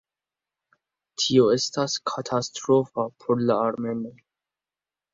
Tio estis katastrofa por la armenoj.